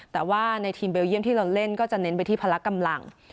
แต่ว่าในทีมเบลเยี่ยมที่เราเล่นก็จะเน้นไปที่พละกำลัง